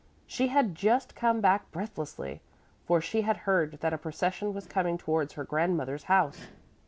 She had just come back breathlessly, for she had heard that a procession was coming towards her grandmother's house.